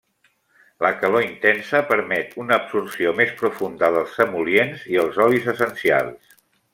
La calor intensa permet una absorció més profunda dels emol·lients i els olis essencials.